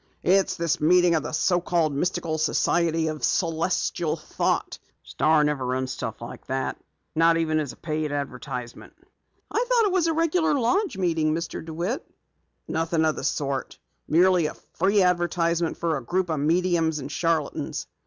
"It's this meeting of the so called Mystical Society of Celestial Thought. The Star never runs stuff like that, not even as a paid advertisement." "I thought it was a regular lodge meeting, Mr. DeWitt." "Nothing of the sort. Merely a free advertisement for a group of mediums and charlatans."